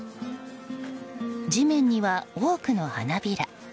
地面は多くの花びら。